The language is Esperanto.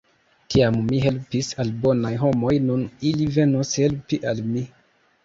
Tiam mi helpis al bonaj homoj, nun ili venos helpi al mi!